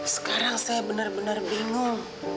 sekarang saya benar benar bingung